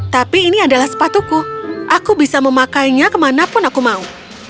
tapi ini adalah sepatuku aku bisa memakainya kemanapun aku mau